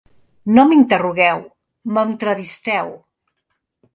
No m’interrogueu, m’entrevisteu.